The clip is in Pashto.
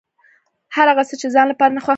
هر هغه څه چې د ځان لپاره نه خوښوې.